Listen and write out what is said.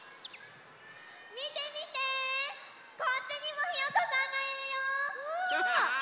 みてみてこっちにもひよこさんがいるよ。わ。